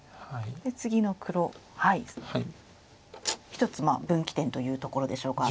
次の黒一つ分岐点というところでしょうか。